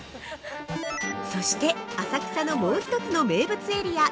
◆そして、浅草のもう一つの名物エリア！